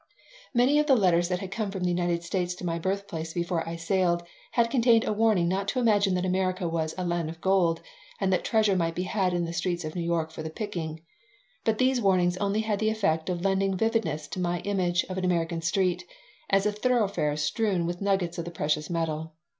Many of the letters that came from the United States to my birthplace before I sailed had contained a warning not to imagine that America was a "land of gold" and that treasure might be had in the streets of New York for the picking. But these warnings only had the effect of lending vividness to my image of an American street as a thoroughfare strewn with nuggets of the precious metal.